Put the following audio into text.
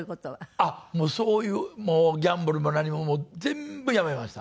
あっもうそういうギャンブルも何ももう全部やめました。